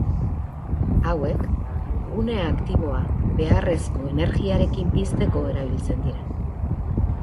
Hauek, gune aktiboa beharrezko energiarekin pizteko erabiltzen dira.